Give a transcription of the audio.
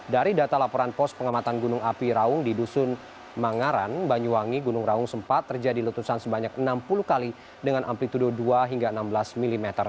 dari data laporan pos pengamatan gunung api raung di dusun mangaran banyuwangi gunung raung sempat terjadi letusan sebanyak enam puluh kali dengan amplitude dua hingga enam belas mm